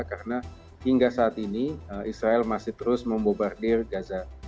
karena hingga saat ini israel masih terus membobardir gaza